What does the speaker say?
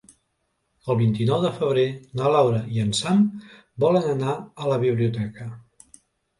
El vint-i-nou de febrer na Laura i en Sam volen anar a la biblioteca.